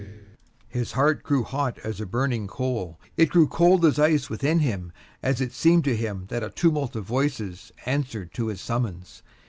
His heart grew hot as a burning coal, it grew cold as ice within him, as it seemed to him that a tumult of voices answered to his summons.